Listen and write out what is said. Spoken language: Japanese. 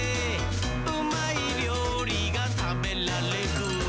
「うまいりょうりがたべらレグ！」